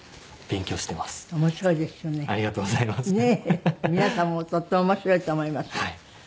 皆さんもとっても面白いと思いますよ。